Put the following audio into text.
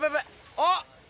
あっ。